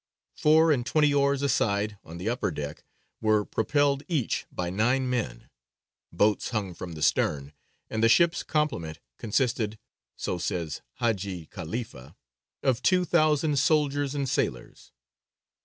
Four and twenty oars a side, on the upper deck, were propelled each by nine men. Boats hung from the stern; and the ship's complement consisted (so says Hājji Khalīfa) of two thousand soldiers and sailors.